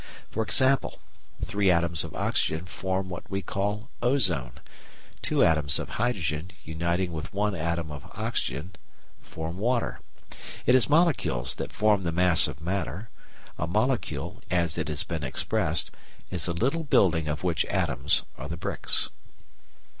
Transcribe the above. For example, three atoms of oxygen form what we call ozone; two atoms of hydrogen uniting with one atom of oxygen form water. It is molecules that form the mass of matter; a molecule, as it has been expressed, is a little building of which atoms are the bricks.